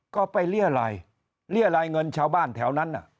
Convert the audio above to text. ก็ไปเรียรายเรียรายเงินชาวบ้านแถวนั้น